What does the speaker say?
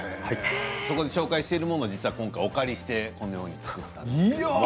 そこで紹介しているものを実は今回お借りしてこのように作ったんですけれども。